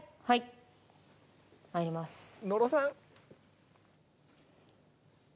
はいまいります